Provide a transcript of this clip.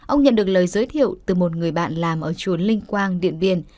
ông nhận được lời giới thiệu từ một người bạn làm ở chùa linh quang điện biên